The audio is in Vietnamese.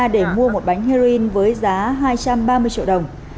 để mua một bánh heroin với giá hai trăm ba mươi triệu đồng